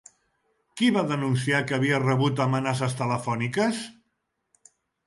Qui va denunciar que havia rebut amenaces telefòniques?